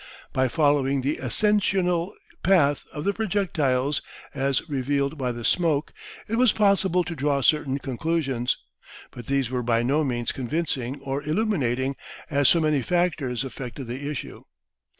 By following the ascensional path of the projectiles as revealed by the smoke it was possible to draw certain conclusions. But these were by no means convincing or illuminating, as so many factors affected the issue.